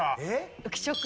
浮所君